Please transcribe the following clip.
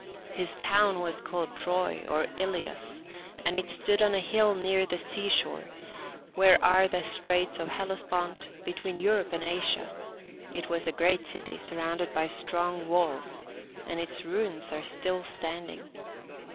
His town was called Troy, or Ilios, and it stood on a hill near the seashore, where are the straits of Hellespont, between Europe and Asia; it was a great city surrounded by strong walls, and its ruins are still standing.